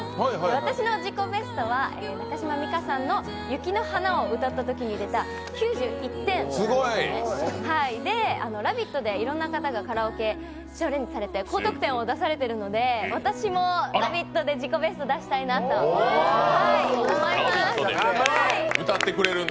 私の自己ベストは中島美嘉さんの「雪の華」を歌ったときに出た９１点で「ラヴィット！」でいろんな方がカラオケにチャレンジされて高得点を出されているので私も、「ラヴィット！」で自己ベストを出したいなと思います。